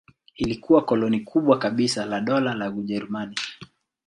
Ilikuwa koloni kubwa kabisa la Dola la Ujerumani.